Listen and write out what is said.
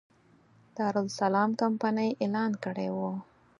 دارالسلام کمپنۍ اعلان کړی و.